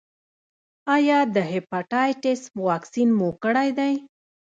ایا د هیپاټایټس واکسین مو کړی دی؟